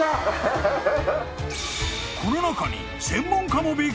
［この中に］